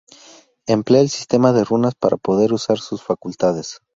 Emplea el sistema de runas para poder usar sus facultades.